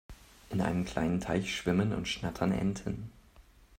In einem kleinen Teich schwimmen und schnattern Enten.